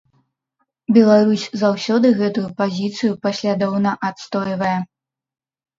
Беларусь заўсёды гэтую пазіцыю паслядоўна адстойвае.